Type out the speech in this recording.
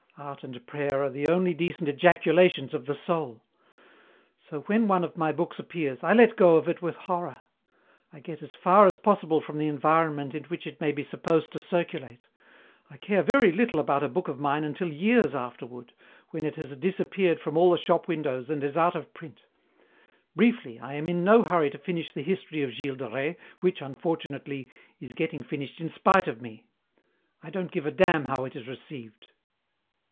Art and prayer are the only decent ejaculations of the soul. So when one of my books appears, I let go of it with horror. I get as far as possible from the environment in which it may be supposed to circulate. I care very little about a book of mine until years afterward, when it has disappeared from all the shop windows and is out of print. Briefly, I am in no hurry to finish the history of Gilles de Rais, which, unfortunately, is getting finished in spite of me. I don't give a damn how it is received."